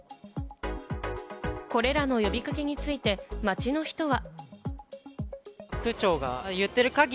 これらの呼び掛けについて、街の人は。